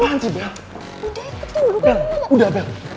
bel udah bel udah